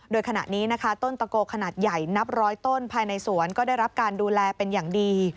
โดยขณะนี้นะคะต้นตะโกขนาดใหญ่นับร้อยต้นภายในสวนก็ได้รับการดูแลเป็นอย่างดี